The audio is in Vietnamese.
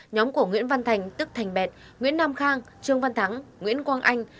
nhóm của nguyễn văn thành tức thành bẹt nguyễn nam khang trương văn thắng nguyễn quang anh